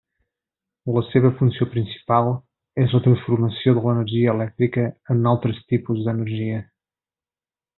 La seva funció principal és la transformació de l'energia elèctrica en altres tipus d'energia.